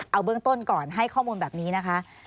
เอาเบื้องต้นก่อนให้ข้อมูลแบบนี้นะคะ